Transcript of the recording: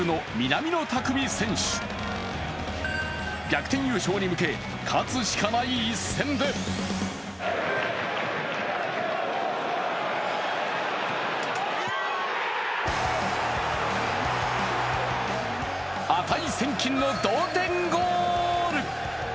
逆転優勝に向け、勝つしかない一戦で値千金の同点ゴール！